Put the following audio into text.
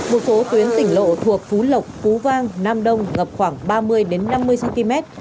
một số tuyến tỉnh lộ thuộc phú lộc phú vang nam đông ngập khoảng ba mươi năm mươi cm